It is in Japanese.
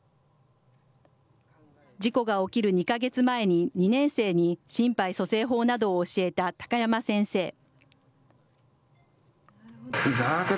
事故が起きる２か月前に２年生に心肺蘇生法などを教えた高山先生。